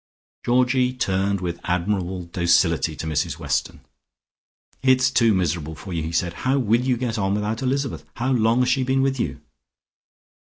Georgie turned with admirable docility to Mrs Weston. "It's too miserable for you," he said. "How will you get on without Elizabeth? How long has she been with you?"